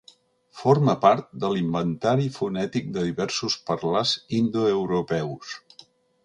Forma part de l'inventari fonètic de diversos parlars indoeuropeus.